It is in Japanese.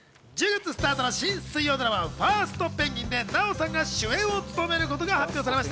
１０月スタートの新水曜ドラマ『ファーストペンギン！』で奈緒さんが主演を務めることが発表何？